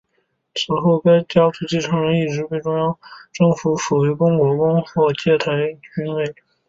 此后该家族继承人一直被中央政府封为辅国公或台吉爵位。